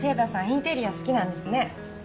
インテリア好きなんですね